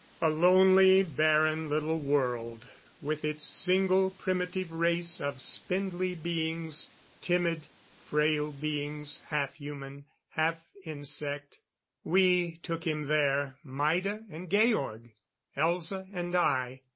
A lonely, barren little world, with its single, primitive race of spindly beings timid, frail beings, half human, half insect. We took him there Maida and Georg, Elza and I.